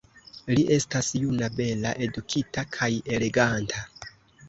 Li estas juna, bela, edukita kaj eleganta.